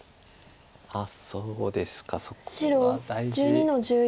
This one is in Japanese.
そうですかそこは大事。